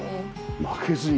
負けずに。